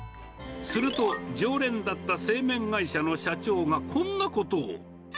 すると、常連だった製麺会社の社長がこんなことを。